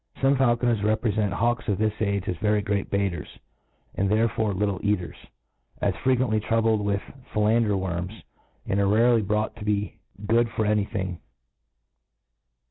Some faulconers reprefent hawks of this age as very great beaferss, and therefore little eaters ; as frequently tifoubled with filander worms^ and rarely brought tb'be good for any thing.